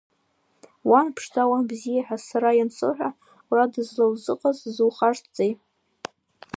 Уан ԥшӡа, уан бзиа ҳәа сара иансоуҳәо, уара дызлаузыҟаз зухашҭзеи?